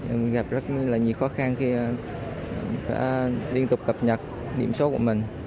em gặp rất nhiều khó khăn khi liên tục cập nhật điểm số của mình